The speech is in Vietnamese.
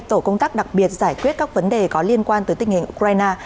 tổ công tác đặc biệt giải quyết các vấn đề có liên quan tới tình hình ukraine